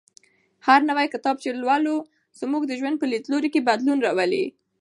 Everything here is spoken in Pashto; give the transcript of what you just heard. هر نوی کتاب چې لولو زموږ د ژوند په لیدلوري کې بدلون راولي.